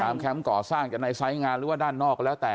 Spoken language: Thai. แคมป์ก่อสร้างจะในไซส์งานหรือว่าด้านนอกก็แล้วแต่